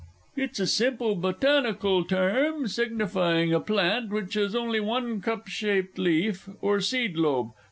It's a simple botanical term, signifying a plant which has only one cup shaped leaf, or seed lobe.